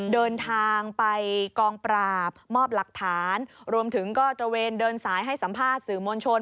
เดินทางไปกองปราบมอบหลักฐานรวมถึงก็ตระเวนเดินสายให้สัมภาษณ์สื่อมวลชน